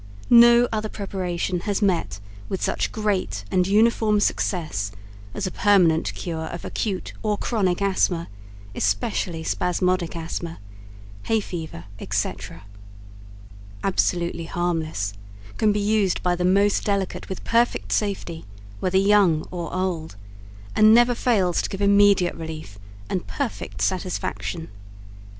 No other preparation has met with such great and uniform success as a permanent cure of Acute or Chronic Asthma, especially Spasmodic Asthma. Hay Fever, etc. Absolutely harmless; can be used by the most delicate with perfect safety, whether young or old, and never falls to give immediate relief and perfect satisfaction.